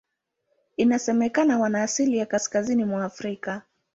Inasemekana wana asili ya Kaskazini mwa Afrika.